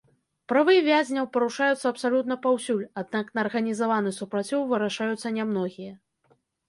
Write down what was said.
Правы вязняў парушаюцца абсалютна паўсюль, аднак на арганізаваны супраціў вырашаюцца нямногія.